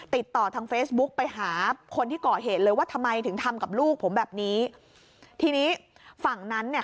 ติดต่อทางเฟซบุ๊กไปหาคนที่ก่อเหตุเลยว่าทำไมถึงทำกับลูกผมแบบนี้ทีนี้ฝั่งนั้นเนี่ย